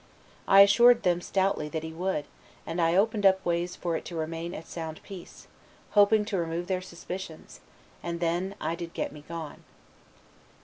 I assured them stoutly that he would, and I opened up ways for to remain at sound peace, hoping to remove their suspicions, and then I did get me gone."